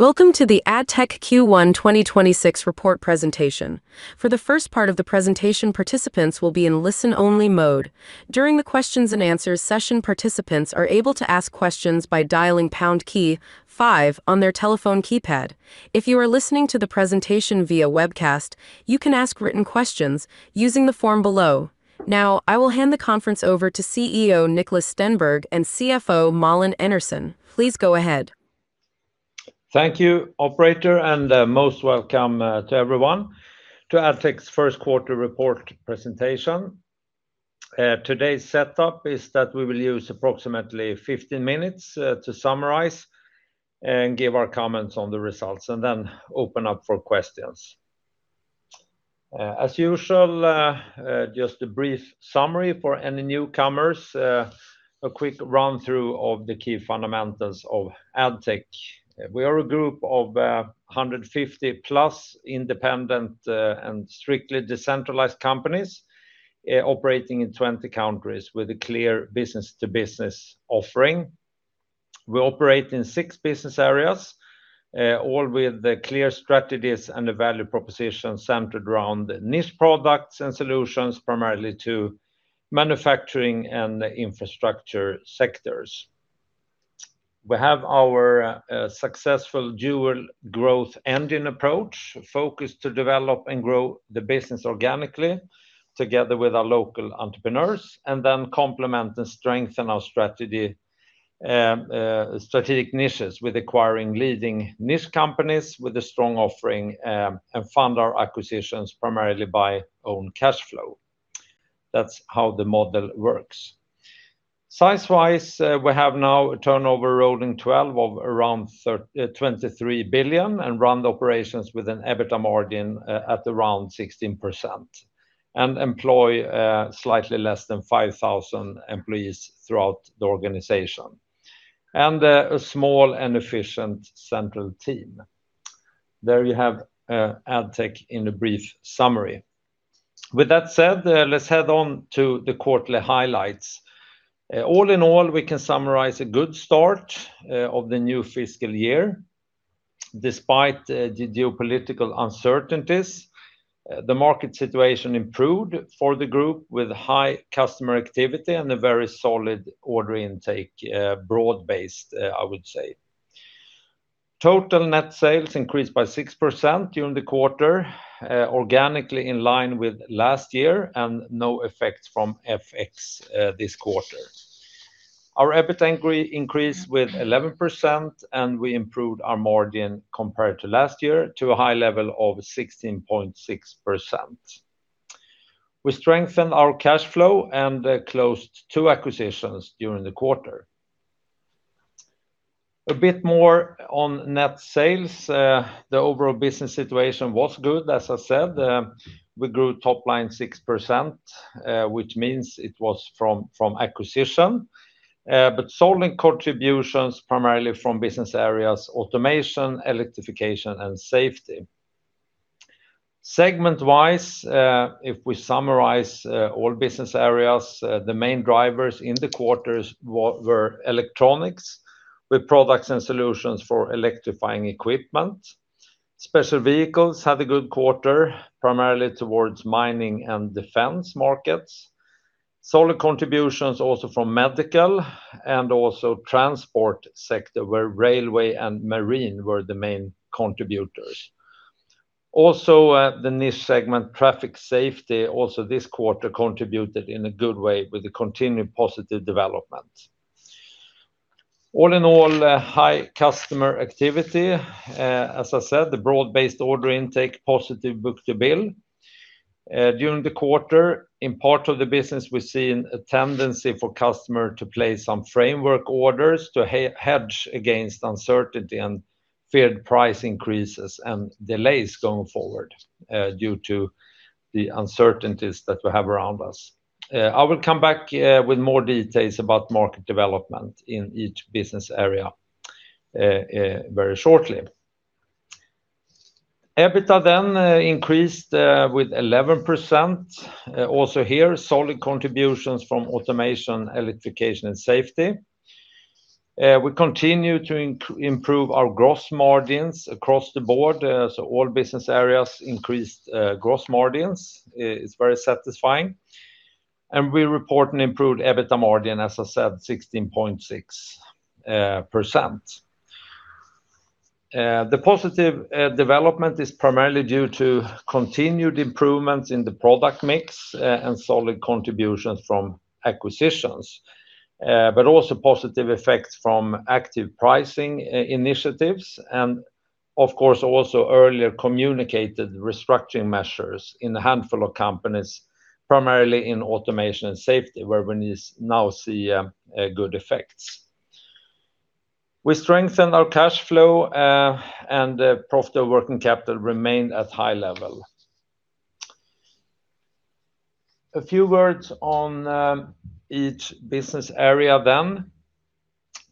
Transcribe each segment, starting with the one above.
Welcome to the Addtech Q1 2026 report presentation. For the first part of the presentation, participants will be in listen-only mode. During the questions and answers session, participants are able to ask questions by dialing pound key five on their telephone keypad. If you are listening to the presentation via webcast, you can ask written questions using the form below. Now, I will hand the conference over to CEO Niklas Stenberg and CFO Malin Enarson. Please go ahead. Thank you, operator. Most welcome to everyone to Addtech's first quarter report presentation. Today's setup is that we will use approximately 15 minutes to summarize and give our comments on the results. Then open up for questions. As usual, just a brief summary for any newcomers. A quick run-through of the key fundamentals of Addtech. We are a group of 150+ independent and strictly decentralized companies operating in 20 countries with a clear business-to-business offering. We operate in six business areas, all with clear strategies and a value proposition centered around niche products and solutions, primarily to manufacturing and infrastructure sectors. We have our successful dual growth engine approach, focused to develop and grow the business organically together with our local entrepreneurs. Then complement and strengthen our strategic niches with acquiring leading niche companies with a strong offering. Fund our acquisitions primarily by own cash flow. That's how the model works. Size-wise, we have now a turnover rolling 12 of around 23 billion. Run the operations with an EBITA margin at around 16%. Employ slightly less than 5,000 employees throughout the organization. A small and efficient central team. There you have Addtech in a brief summary. With that said, let's head on to the quarterly highlights. All in all, we can summarize a good start of the new fiscal year. Despite the geopolitical uncertainties, the market situation improved for the group with high customer activity. A very solid order intake, broad-based, I would say. Total net sales increased by 6% during the quarter, organically in line with last year. No effects from FX this quarter. Our EBITA increased with 11%. We improved our margin compared to last year to a high level of 16.6%. We strengthened our cash flow. Closed two acquisitions during the quarter. A bit more on net sales. The overall business situation was good, as I said. We grew top line 6%, which means it was from acquisition, but solid contributions primarily from business areas Automation, Electrification, and Safety. Segment-wise, if we summarize all business areas, the main drivers in the quarters were electronics with products and solutions for electrifying equipment. Special vehicles had a good quarter, primarily towards mining and defense markets. Solid contributions also from medical and also transport sector, where railway and marine were the main contributors. The niche segment, traffic safety, also this quarter contributed in a good way with a continued positive development. All in all, high customer activity. As I said, the broad-based order intake, positive book-to-bill. During the quarter, in part of the business, we're seeing a tendency for customer to place some framework orders to hedge against uncertainty and feared price increases and delays going forward due to the uncertainties that we have around us. I will come back with more details about market development in each business area very shortly. EBITDA increased with 11%. Here, solid contributions from Automation, Electrification, and Safety. We continue to improve our gross margins across the board, so all business areas increased gross margins. It's very satisfying. We report an improved EBITDA margin, as I said, 16.6%. The positive development is primarily due to continued improvements in the product mix and solid contributions from acquisitions, also positive effects from active pricing initiatives and, of course, also earlier communicated restructuring measures in a handful of companies, primarily in Automation and Safety, where we now see good effects. We strengthened our cash flow, and profit for working capital remained at high level. A few words on each business area.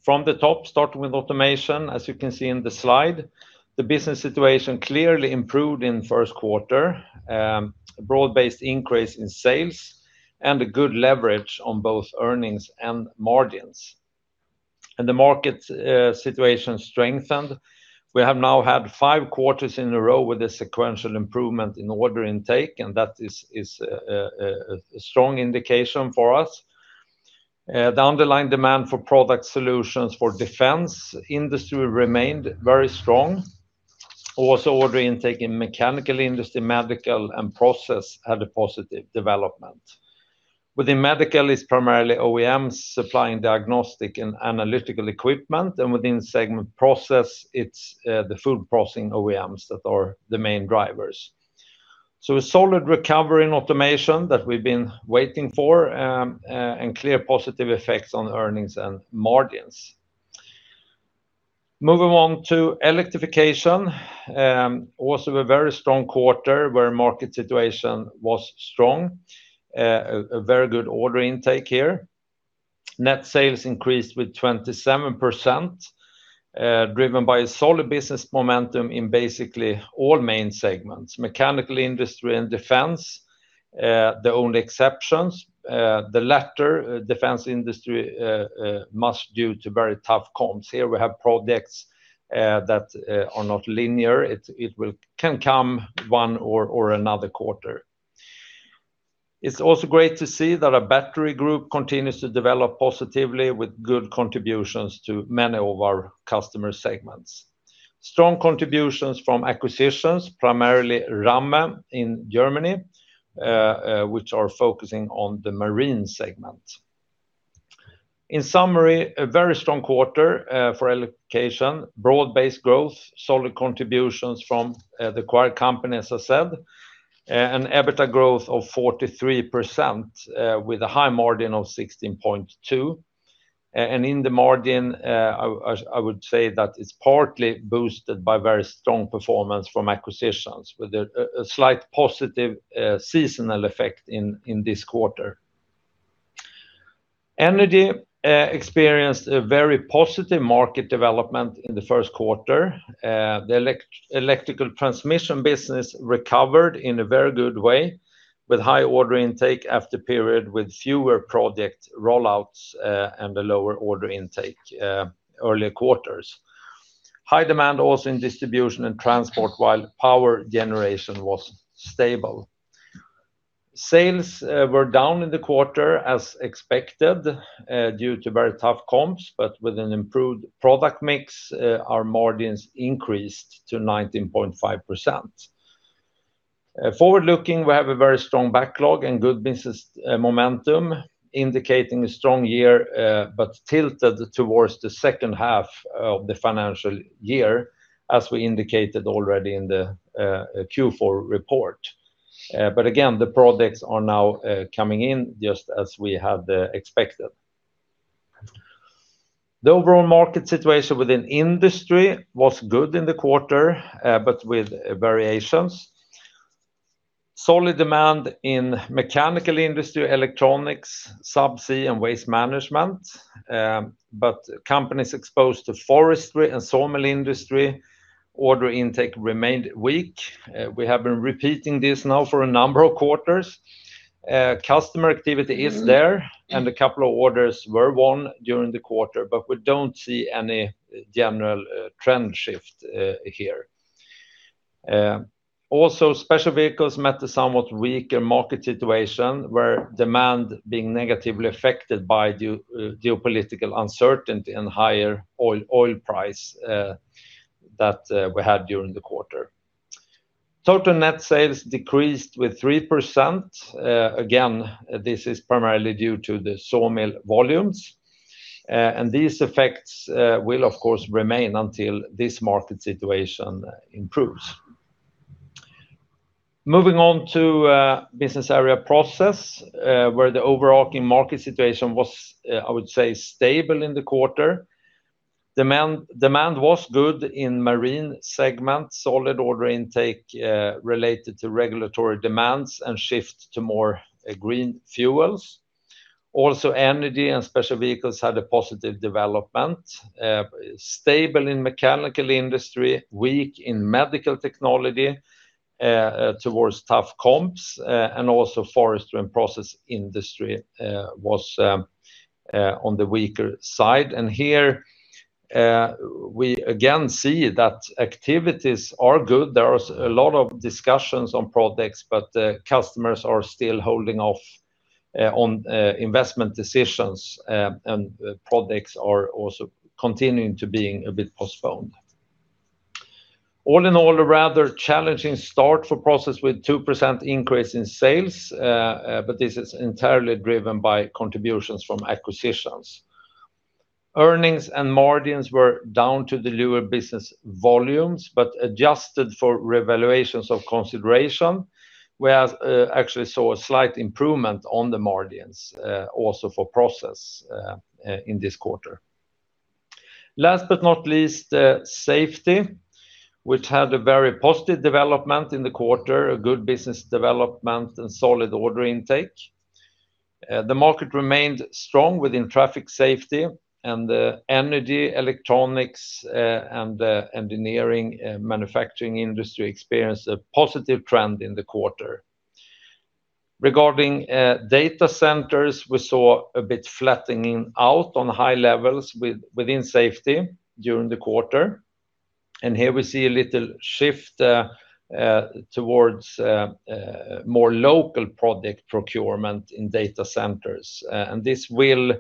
From the top, starting with Automation, as you can see in the slide, the business situation clearly improved in the first quarter. A broad-based increase in sales and a good leverage on both earnings and margins. The market situation strengthened. We have now had five quarters in a row with a sequential improvement in order intake, and that is a strong indication for us. The underlying demand for product solutions for defense industry remained very strong. Order intake in mechanical Industry, Medical, and Process had a positive development. Within medical is primarily OEMs supplying diagnostic and analytical equipment, and within segment Process, it's the food processing OEMs that are the main drivers. A solid recovery in Automation that we've been waiting for, and clear positive effects on earnings and margins. Moving on to Electrification. A very strong quarter where market situation was strong. A very good order intake here. Net sales increased with 27%, driven by a solid business momentum in basically all main segments, mechanical Industry and defense, the only exceptions. The latter, defense industry, must due to very tough comps. Here we have products that are not linear. It can come one or another quarter. It's also great to see that our battery group continues to develop positively with good contributions to many of our customer segments. Strong contributions from acquisitions, primarily RAMME in Germany, which are focusing on the Marine segment. In summary, a very strong quarter for Electrification, broad-based growth, solid contributions from the acquired company, as I said, an EBITDA growth of 43% with a high margin of 16.2%. In the margin, I would say that it's partly boosted by very strong performance from acquisitions with a slight positive seasonal effect in this quarter. Energy experienced a very positive market development in the first quarter. The electrical transmission business recovered in a very good way with high order intake after period with fewer project rollouts, and a lower order intake earlier quarters. High demand also in distribution and transport while power generation was stable. Sales were down in the quarter as expected due to very tough comps, with an improved product mix, our margins increased to 19.5%. Forward-looking, we have a very strong backlog and good business momentum, indicating a strong year, but tilted towards the second half of the financial year, as we indicated already in the Q4 report. Again, the products are now coming in just as we had expected. The overall market situation within Industry was good in the quarter, but with variations. Solid demand in mechanical industry, electronics, subsea, and waste management, but companies exposed to forestry and sawmill industry order intake remained weak. We have been repeating this now for a number of quarters. Customer activity is there, and a couple of orders were won during the quarter, but we don't see any general trend shift here. Also, special vehicles met a somewhat weaker market situation where demand being negatively affected by geopolitical uncertainty and higher oil price that we had during the quarter. Total net sales decreased with 3%. Again, this is primarily due to the sawmill volumes. These effects will, of course, remain until this market situation improves. Moving on to Business Area Process, where the overarching market situation was, I would say, stable in the quarter. Demand was good in Marine segment, solid order intake related to regulatory demands and shift to more green fuels. Also Energy and Special Vehicles had a positive development. Stable in mechanical industry, weak in medical technology towards tough comps, and also forestry and process industry was on the weaker side. Here we again see that activities are good. There are a lot of discussions on products, but customers are still holding off on investment decisions. Products are also continuing to being a bit postponed. All in all, a rather challenging start for Process with 2% increase in sales, but this is entirely driven by contributions from acquisitions. Earnings and margins were down to the lower business volumes, but adjusted for revaluations of consideration, we actually saw a slight improvement on the margins also for Process in this quarter. Last not least, Safety, which had a very positive development in the quarter, a good business development and solid order intake. The market remained strong within traffic safety and the Energy, electronics, and engineering manufacturing industry experienced a positive trend in the quarter. Regarding data centers, we saw a bit flattening out on high levels within Safety during the quarter. Here we see a little shift towards more local product procurement in data centers. This will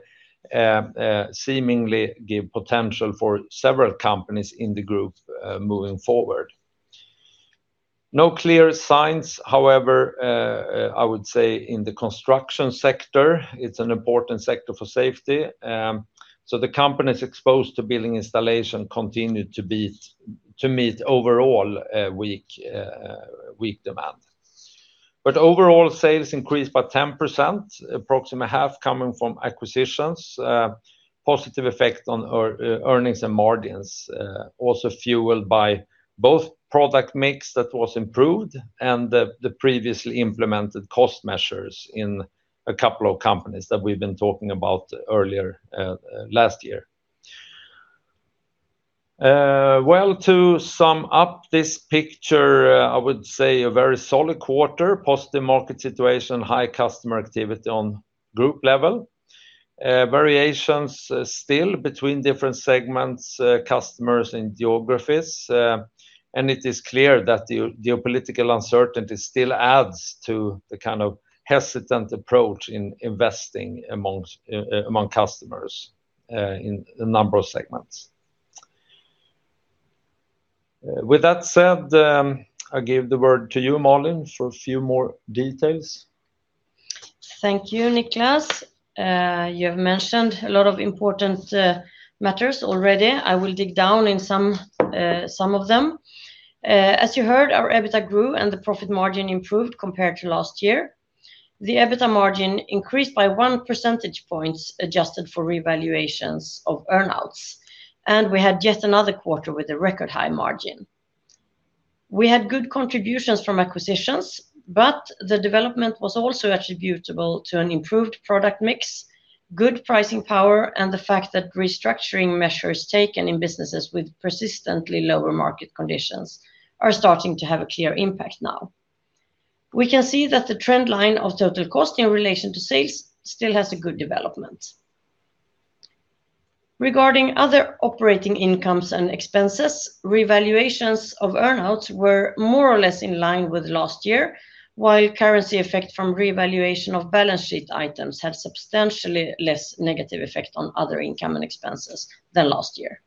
seemingly give potential for several companies in the group moving forward. No clear signs, however, I would say in the construction sector. It's an important sector for Safety. The companies exposed to building installation continued to meet overall weak demand. Overall sales increased by 10%, approximately half coming from acquisitions. Positive effect on earnings and margins, also fueled by both product mix that was improved and the previously implemented cost measures in a couple of companies that we've been talking about earlier last year. Well, to sum up this picture, I would say a very solid quarter, positive market situation, high customer activity on group level. Variations still between different segments, customers, and geographies. It is clear that the geopolitical uncertainty still adds to the hesitant approach in investing among customers in a number of segments. With that said, I give the word to you, Malin, for a few more details. Thank you, Niklas. You have mentioned a lot of important matters already. I will dig down in some of them. As you heard, our EBITA grew and the profit margin improved compared to last year. The EBITA margin increased by one percentage points, adjusted for revaluations of earnouts. We had yet another quarter with a record high margin. We had good contributions from acquisitions, but the development was also attributable to an improved product mix, good pricing power, and the fact that restructuring measures taken in businesses with persistently lower market conditions are starting to have a clear impact now. We can see that the trend line of total cost in relation to sales still has a good development. Regarding other operating incomes and expenses, revaluations of earnouts were more or less in line with last year, while currency effect from revaluation of balance sheet items had substantially less negative effect on other income and expenses than last year.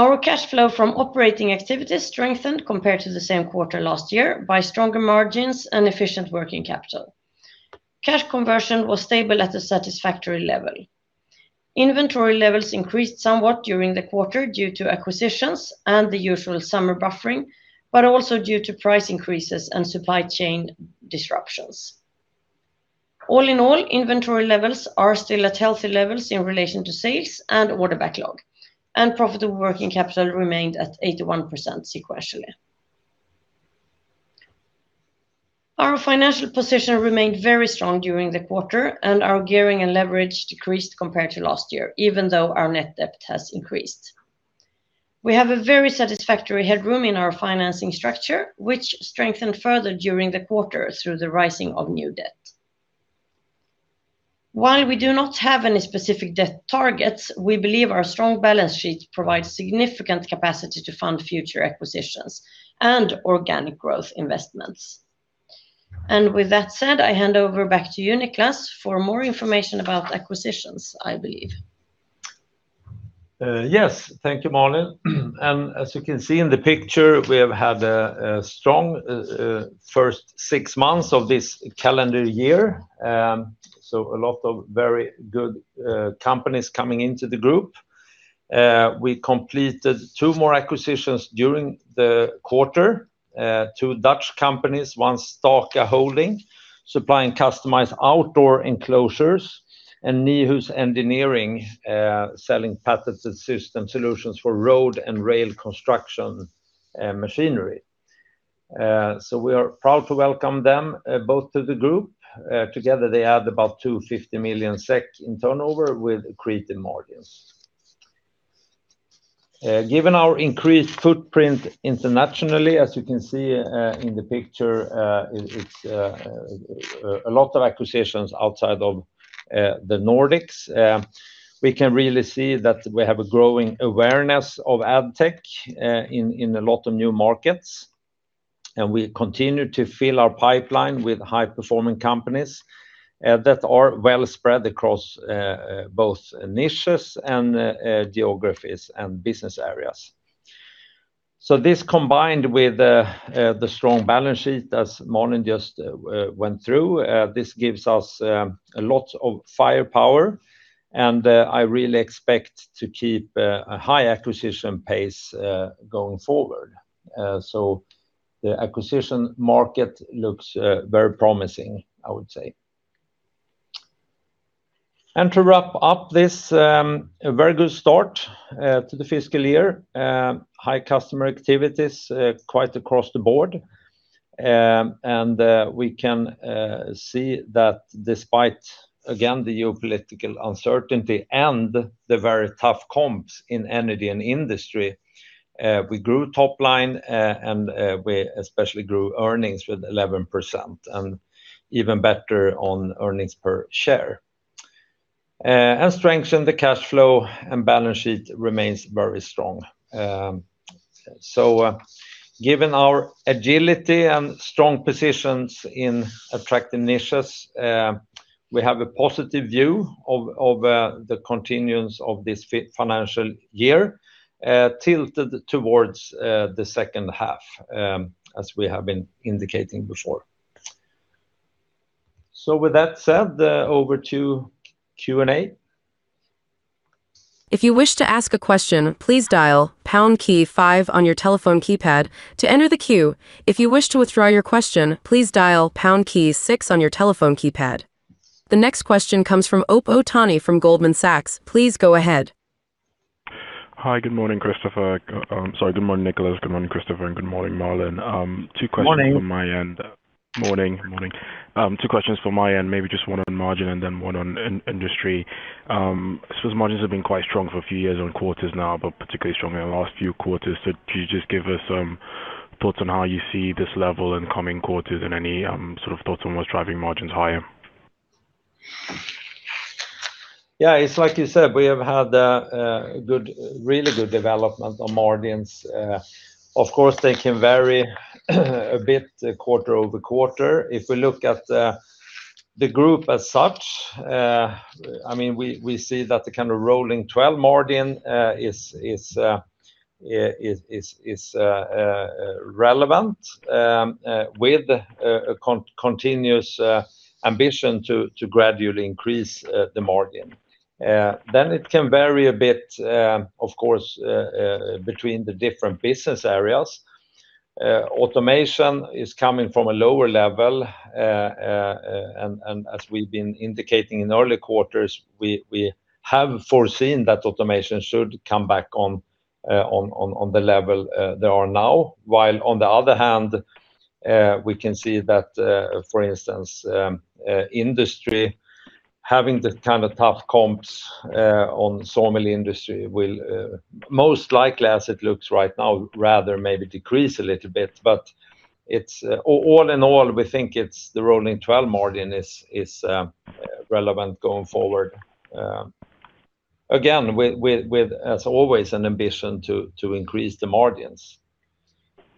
Our cash flow from operating activities strengthened compared to the same quarter last year by stronger margins and efficient working capital. Cash conversion was stable at a satisfactory level. Inventory levels increased somewhat during the quarter due to acquisitions and the usual summer buffering, but also due to price increases and supply chain disruptions. All in all, inventory levels are still at healthy levels in relation to sales and order backlog, and profitable working capital remained at 81% sequentially. Our financial position remained very strong during the quarter, and our gearing and leverage decreased compared to last year, even though our net debt has increased. We have a very satisfactory headroom in our financing structure, which strengthened further during the quarter through the rising of new debt. While we do not have any specific debt targets, we believe our strong balance sheet provides significant capacity to fund future acquisitions and organic growth investments. With that said, I hand over back to you, Niklas, for more information about acquisitions, I believe. Yes. Thank you, Malin. As you can see in the picture, we have had a strong first six months of this calendar year. A lot of very good companies coming into the group. We completed two more acquisitions during the quarter. Two Dutch companies, one, Staka Holding, supplying customized outdoor enclosures, and Nijhuis Engineering, selling patented system solutions for road and rail construction machinery. We are proud to welcome them both to the group. Together, they add about 250 million SEK in turnover with accretive margins. Given our increased footprint internationally, as you can see in the picture, it's a lot of acquisitions outside of the Nordics. We can really see that we have a growing awareness of Addtech in a lot of new markets. We continue to fill our pipeline with high-performing companies that are well spread across both niches and geographies and business areas. This combined with the strong balance sheet, as Malin just went through, this gives us a lot of firepower, I really expect to keep a high acquisition pace going forward. The acquisition market looks very promising, I would say. To wrap up this, a very good start to the fiscal year. High customer activities quite across the board. We can see that despite, again, the geopolitical uncertainty and the very tough comps in Energy and Industry, we grew top line, we especially grew earnings with 11% and even better on earnings per share. Strengthened the cash flow and balance sheet remains very strong. Given our agility and strong positions in attractive niches. We have a positive view of the continuance of this financial year, tilted towards the second half, as we have been indicating before. With that said, over to Q&A. If you wish to ask a question, please dial pound key five on your telephone keypad to enter the queue. If you wish to withdraw your question, please dial pound key six on your telephone keypad. The next question comes from Ope Otaniyi from Goldman Sachs. Please go ahead. Hi. Good morning, Christopher. Sorry, good morning, Niklas. Good morning, Christopher, and good morning, Malin. Two questions. Morning. Morning. Two questions from my end. Maybe just one on margin and then one on Industry. I suppose margins have been quite strong for a few years on quarters now, but particularly strong in the last few quarters. Could you just give us some thoughts on how you see this level in coming quarters and any thoughts on what's driving margins higher? It's like you said. We have had a really good development on margins. Of course, they can vary a bit quarter-over-quarter. If we look at the group as such, we see that the kind of rolling 12 margin is relevant with a continuous ambition to gradually increase the margin. It can vary a bit, of course, between the different business areas. Automation is coming from a lower level, and as we've been indicating in earlier quarters, we have foreseen that Automation should come back on the level they are now. While on the other hand, we can see that, for instance, Industry having the kind of tough comps on sawmill industry will, most likely as it looks right now, rather maybe decrease a little bit. All in all, we think the rolling 12 margin is relevant going forward. Again, with, as always, an ambition to increase the margins.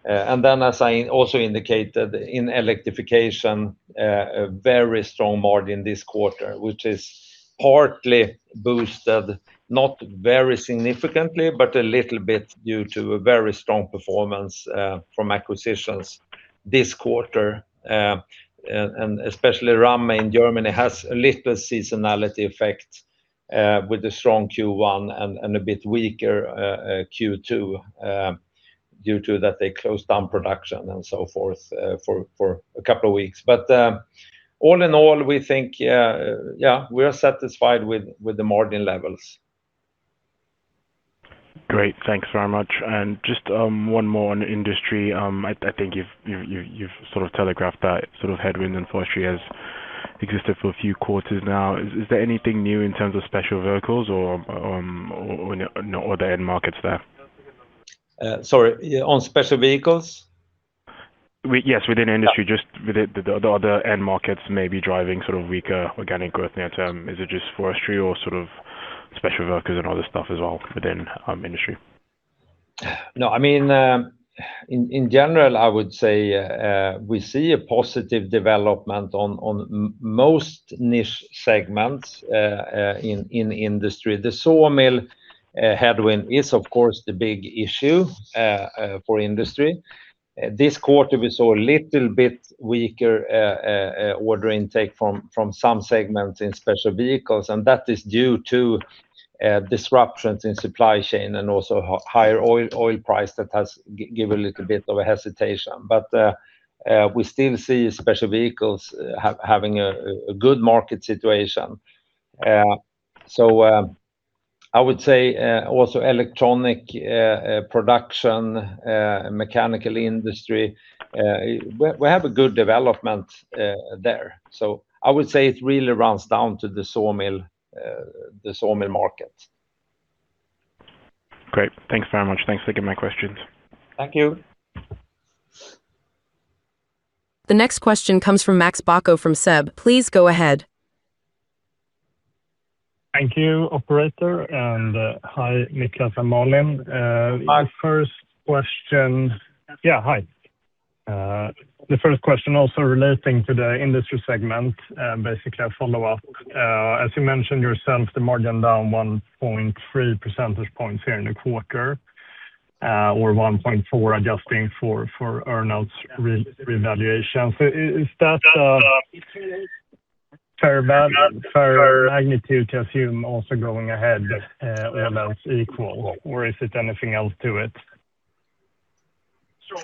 As I also indicated, in Electrification, a very strong margin this quarter, which is partly boosted, not very significantly, but a little bit due to a very strong performance from acquisitions this quarter. Especially RAMME in Germany has a little seasonality effect with the strong Q1 and a bit weaker Q2, due to that they closed down production and so forth for a couple of weeks. All in all, we think we are satisfied with the margin levels. Great. Thanks very much. Just one more on Industry. I think you've sort of telegraphed that sort of headwind in Forestry has existed for a few quarters now. Is there anything new in terms of Special Vehicles or the end markets there? Sorry, on Special Vehicles? Yes, within Industry, just with the other end markets may be driving sort of weaker organic growth near term. Is it just Forestry or sort of Special Vehicles and other stuff as well within Industry? No, in general, I would say we see a positive development on most niche segments in Industry. The sawmill headwind is, of course, the big issue for Industry. This quarter, we saw a little bit weaker order intake from some segments in Special Vehicles, and that is due to disruptions in supply chain and also higher oil price that has given a little bit of a hesitation. We still see Special Vehicles having a good market situation. I would say also electronic production, mechanical industry, we have a good development there. I would say it really runs down to the sawmill market. Great. Thanks very much. Thanks for taking my questions. Thank you. The next question comes from Max Bacco from SEB. Please go ahead. Thank you, operator. Hi, Niklas and Malin. Hi. The first question also relating to the Industry segment. Basically a follow-up. As you mentioned yourself, the margin down 1.3 percentage points here in the quarter, or 1.4, adjusting for earnouts revaluation. Is that a fair magnitude to assume also going ahead all else equal, or is it anything else to it? Yes.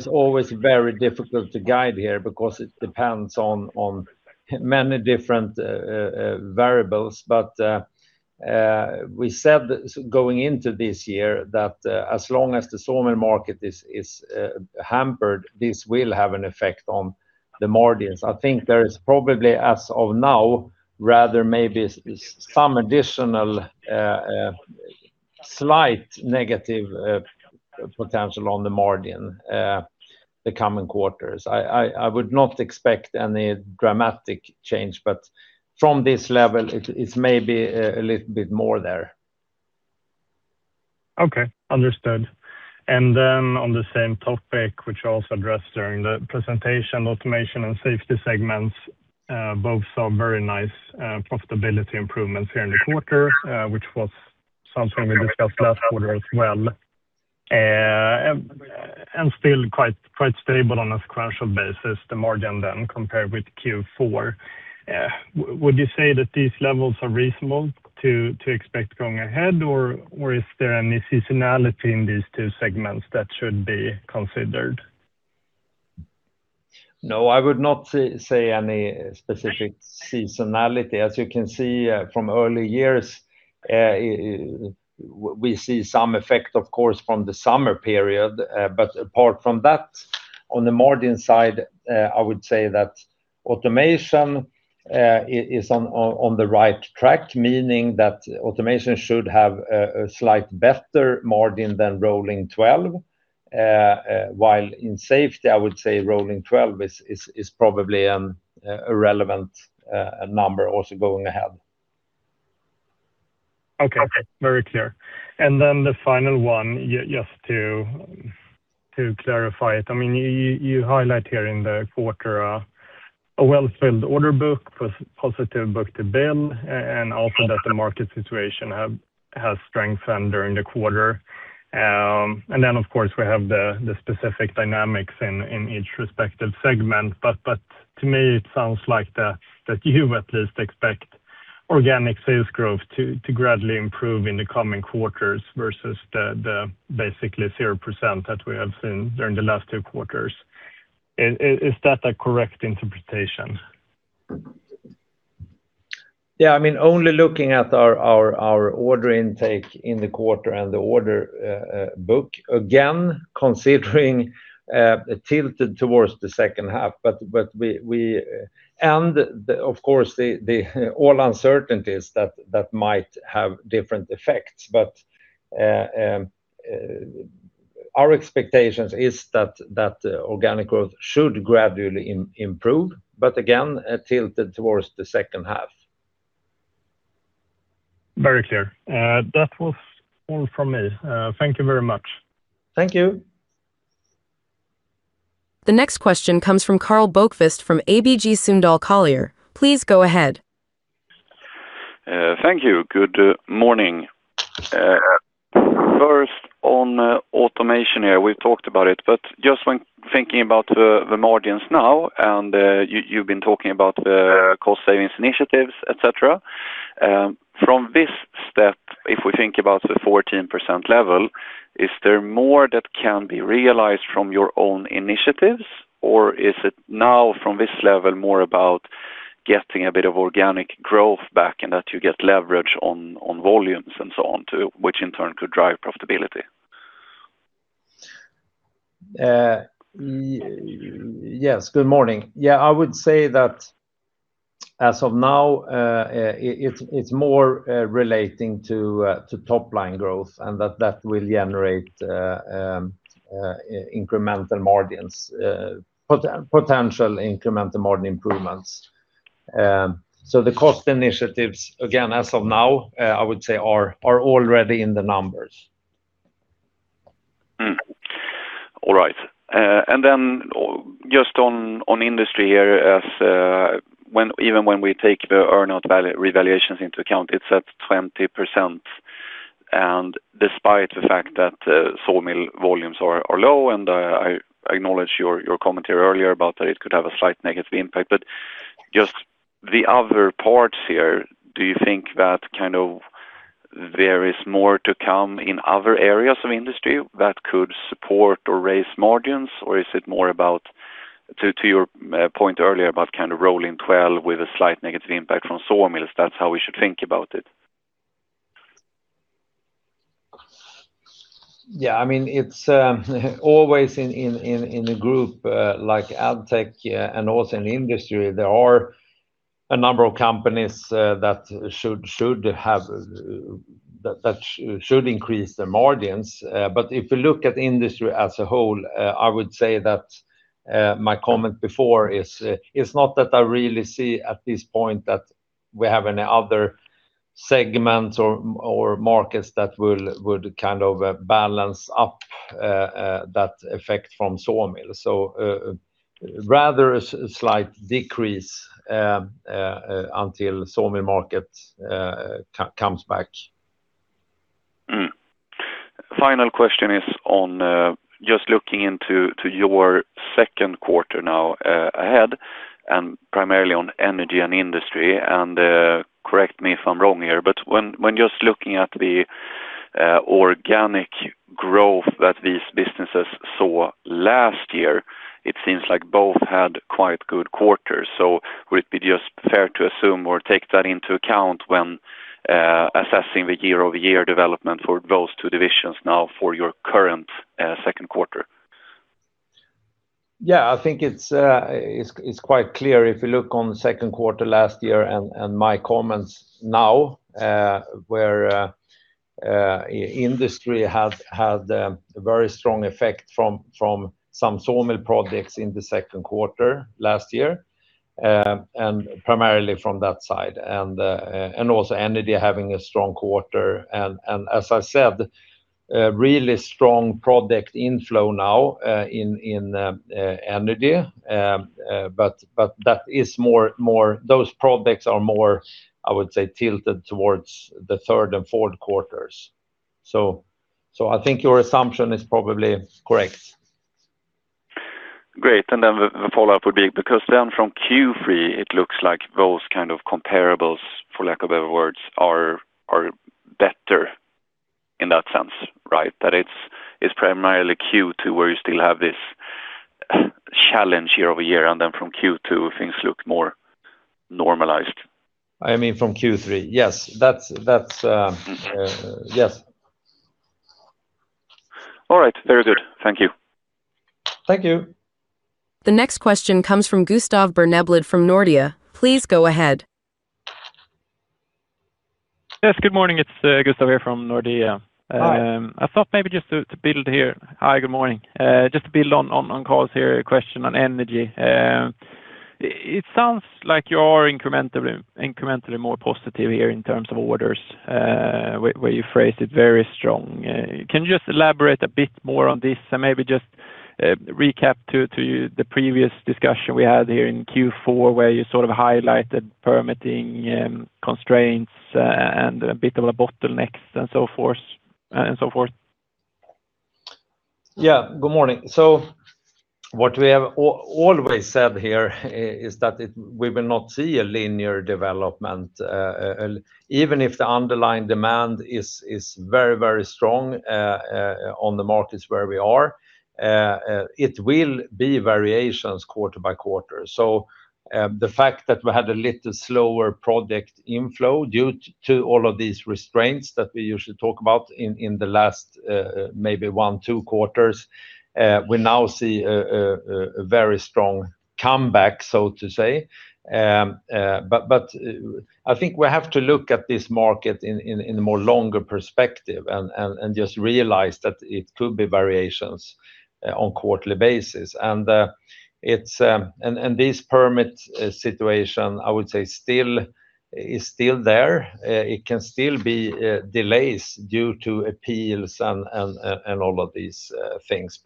It's always very difficult to guide here because it depends on many different variables. We said going into this year that as long as the sawmill market is hampered, this will have an effect on the margins. I think there is probably, as of now, rather maybe some additional slight negative potential on the margin the coming quarters. I would not expect any dramatic change, from this level, it's maybe a little bit more there. Okay, understood. On the same topic, which I also addressed during the presentation, Automation and Safety segments both saw very nice profitability improvements here in the quarter, which was something we discussed last quarter as well, and still quite stable on a sequential basis, the margin then compared with Q4. Would you say that these levels are reasonable to expect going ahead, or is there any seasonality in these two segments that should be considered? No, I would not say any specific seasonality. As you can see from early years, we see some effect, of course, from the summer period. Apart from that, on the margin side, I would say that Automation is on the right track, meaning that Automation should have a slight better margin than rolling 12. While in Safety, I would say rolling 12 is probably a relevant number also going ahead. Okay. Very clear. The final one, just to clarify it. You highlight here in the quarter a well-filled order book, positive book-to-bill, and also that the market situation has strengthened during the quarter. Of course, we have the specific dynamics in each respective segment. To me, it sounds like that you at least expect organic sales growth to gradually improve in the coming quarters versus the basically 0% that we have seen during the last two quarters. Is that a correct interpretation? Yeah, only looking at our order intake in the quarter and the order book, again, considering tilted towards the second half. Of course, all uncertainties that might have different effects, our expectations is that organic growth should gradually improve, again, tilted towards the second half. Very clear. That was all from me. Thank you very much. Thank you. The next question comes from Karl Bokvist from ABG Sundal Collier. Please go ahead. Thank you. Good morning. First on Automation here. We've talked about it, but just when thinking about the margins now, and you've been talking about cost savings initiatives, et cetera. From this step, if we think about the 14% level, is there more that can be realized from your own initiatives? Or is it now from this level more about getting a bit of organic growth back and that you get leverage on volumes and so on, which in turn could drive profitability? Good morning. I would say that as of now, it's more relating to top-line growth and that will generate incremental margins, potential incremental margin improvements. The cost initiatives, again, as of now, I would say are already in the numbers. All right. Just on Industry here, even when we take the earnout revaluations into account, it's at 20%. Despite the fact that sawmill volumes are low, I acknowledge your commentary earlier about that it could have a slight negative impact, just the other parts here, do you think that there is more to come in other areas of Industry that could support or raise margins? Is it more about, to your point earlier about rolling 12 with a slight negative impact from sawmills, that's how we should think about it? It's always in a group like Addtech and also in the Industry, there are a number of companies that should increase their margins. If you look at Industry as a whole, I would say that my comment before is not that I really see at this point that we have any other segments or markets that would balance up that effect from sawmill. Rather a slight decrease until sawmill market comes back. Final question is on just looking into your second quarter now ahead, primarily on Energy and Industry. Correct me if I'm wrong here, when just looking at the organic growth that these businesses saw last year, it seems like both had quite good quarters. Would it be just fair to assume or take that into account when assessing the year-over-year development for those two divisions now for your current second quarter? Yeah, I think it's quite clear if you look on the second quarter last year and my comments now, where Industry had a very strong effect from some sawmill projects in the second quarter last year, and primarily from that side. Also Energy having a strong quarter and as I said, really strong product inflow now in Energy. Those products are more, I would say, tilted towards the third and fourth quarters. I think your assumption is probably correct. Great. Then the follow-up would be, because then from Q3 it looks like those kind of comparables, for lack of better words, are better in that sense, right? That it's primarily Q2 where you still have this challenge year-over-year, from Q2 things look more normalized. I mean, from Q3. Yes. All right. Very good. Thank you. Thank you. The next question comes from Gustav Berneblad from Nordea. Please go ahead. Yes, good morning. It's Gustav here from Nordea. Hi. I thought maybe just to build here. Hi, good morning. Just to build on Karl's here question on Energy. It sounds like you are incrementally more positive here in terms of orders, where you phrased it very strong. Can you just elaborate a bit more on this and maybe just recap to the previous discussion we had here in Q4, where you sort of highlighted permitting constraints and a bit of a bottleneck and so forth? Good morning. What we have always said here is that we will not see a linear development. Even if the underlying demand is very strong on the markets where we are, it will be variations quarter-by-quarter. The fact that we had a little slower product inflow due to all of these restraints that we usually talk about in the last maybe one, two quarters, we now see a very strong comeback, so to say. I think we have to look at this market in the more longer perspective and just realize that it could be variations on quarterly basis. This permit situation, I would say is still there. It can still be delays due to appeals and all of these things.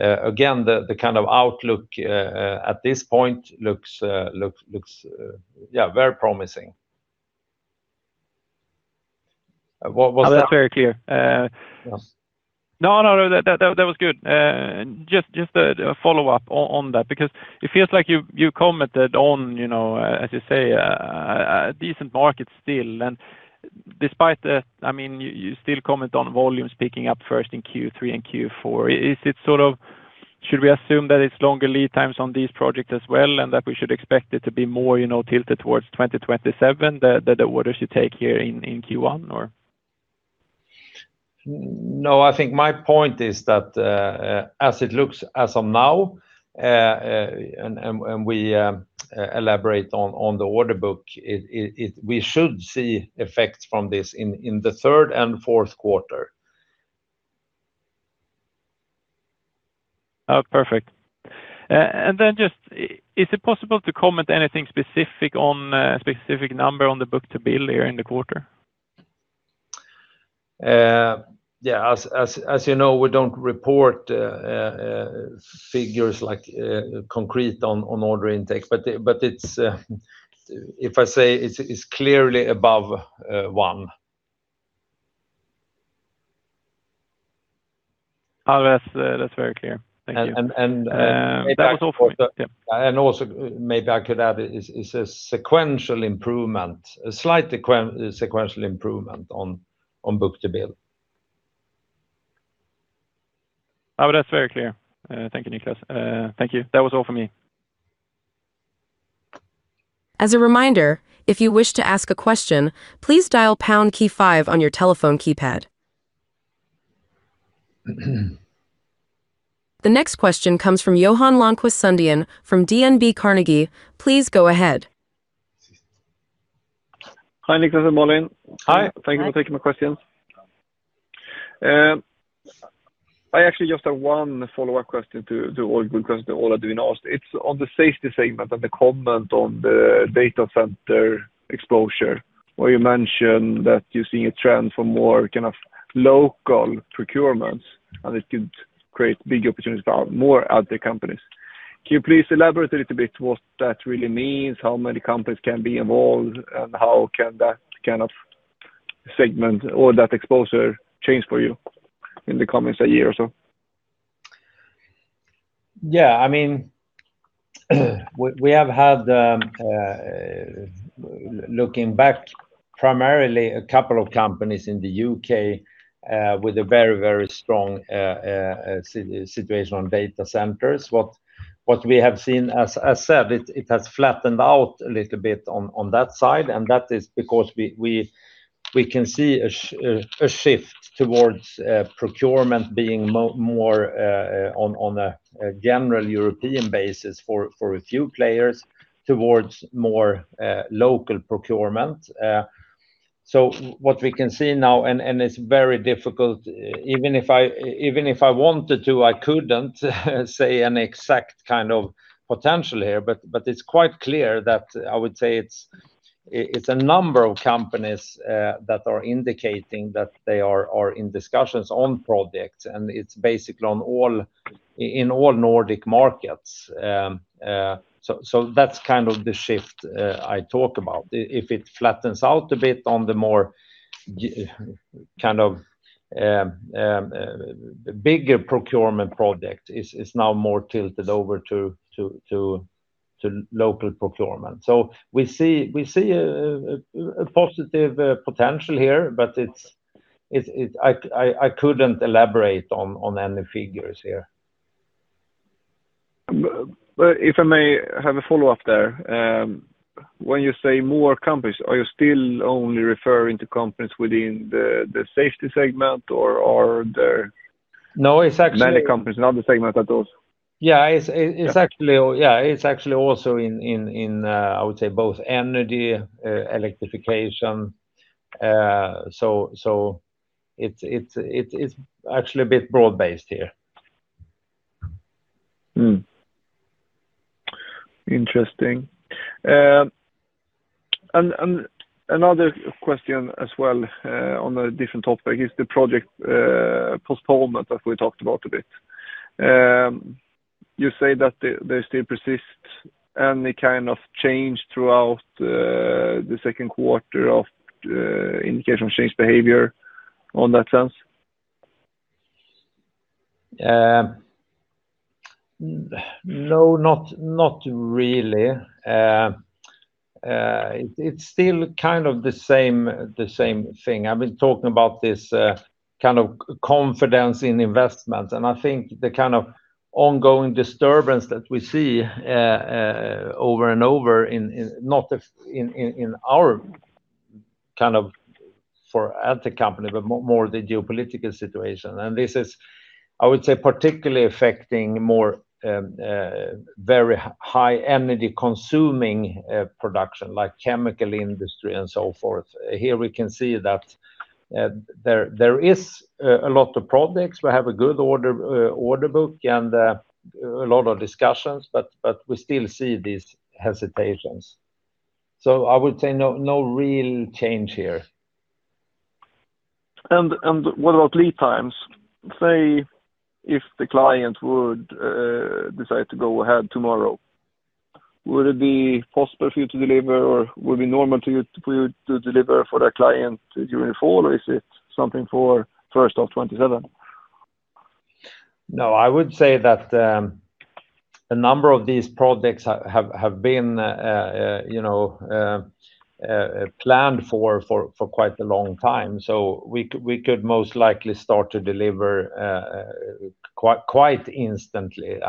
Again, the kind of outlook at this point looks very promising. What was that? That's very clear. Yes. That was good. Just a follow-up on that, because it feels like you commented on, as you say, a decent market still. Despite, you still comment on volumes picking up first in Q3 and Q4. Should we assume that it's longer lead times on these projects as well, and that we should expect it to be more tilted towards 2027, the orders you take here in Q1 or? I think my point is that, as it looks as of now, we elaborate on the order book, we should see effects from this in the third and fourth quarter. Is it possible to comment anything specific on a specific number on the book-to-bill here in the quarter? As you know, we don't report figures like concrete on order intake. If I say it's clearly above one. That's very clear. Thank you. That was all for me. Maybe I could add is a sequential improvement, a slight sequential improvement on book-to-bill. That's very clear. Thank you, Niklas. Thank you. That was all for me. As a reminder, if you wish to ask a question, please dial pound key five on your telephone keypad. The next question comes from Johan Lönnqvist Sundén from DNB Carnegie. Please go ahead. Hi, Niklas and Malin. Hi. Hi. Thank you for taking my questions. I actually just have one follow-up question to all good questions that already been asked. It's on the Safety segment and the comment on the data center exposure, where you mentioned that you're seeing a trend for more kind of local procurements, and it could create big opportunities for more Addtech companies. Can you please elaborate a little bit what that really means? How many companies can be involved, and how can that kind of Safety segment or that exposure change for you in the coming year or so? Yeah. Looking back, we have had primarily a couple of companies in the U.K. with a very strong situation on data centers. What we have seen, as said, it has flattened out a little bit on that side. That is because we can see a shift towards procurement being more on a general European basis for a few players towards more local procurement. What we can see now, and it's very difficult, even if I wanted to, I couldn't say an exact potential here. It's quite clear that, I would say, it's a number of companies that are indicating that they are in discussions on projects, and it's basically in all Nordic markets. That's the shift I talk about. If it flattens out a bit on the more bigger procurement project, it's now more tilted over to local procurement. We see a positive potential here, but I couldn't elaborate on any figures here. If I may have a follow-up there. When you say more companies, are you still only referring to companies within the Safety segment, or are there- No, it's actually. many companies in other segments as well? Yeah. It's actually also in, I would say, both Energy and Electrification. It's actually a bit broad-based here. Interesting. Another question as well, on a different topic, is the project postponement that we talked about a bit. You say that they still persist. Any kind of change throughout the second quarter of indication change behavior on that sense? No, not really. It's still the same thing. I've been talking about this confidence in investments. I think the ongoing disturbance that we see over and over, not in our Addtech company, but more the geopolitical situation. This is, I would say, particularly affecting more very high energy-consuming production, like chemical industry and so forth. Here we can see that there is a lot of projects. We have a good order book and a lot of discussions, but we still see these hesitations. I would say no real change here. What about lead times? Say if the client would decide to go ahead tomorrow, would it be possible for you to deliver, or would it be normal for you to deliver for that client during fall? Or is it something for first of 2027? No, I would say that a number of these projects have been planned for quite a long time. We could most likely start to deliver quite instantly,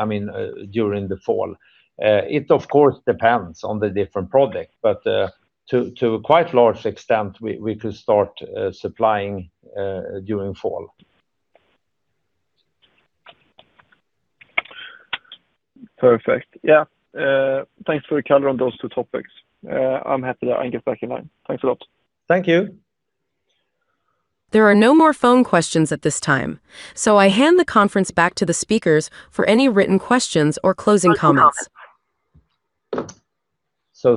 during the fall. It, of course, depends on the different project, but to a quite large extent, we could start supplying during fall. Perfect. Yeah. Thanks for the color on those two topics. I'm happy to get back in line. Thanks a lot. Thank you. There are no more phone questions at this time, I hand the conference back to the speakers for any written questions or closing comments.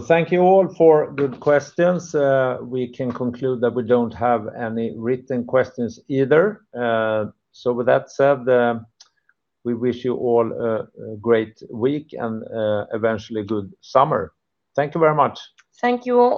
Thank you all for good questions. We can conclude that we don't have any written questions either. With that said, we wish you all a great week and eventually a good summer. Thank you very much. Thank you all.